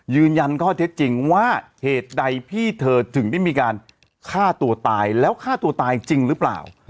ยืนยันข้อเท็จจริงว่าเหตุใดพี่เธอถึงได้มีการฆ่าตัวตายแล้วฆ่าตัวตายจริงหรือเปล่า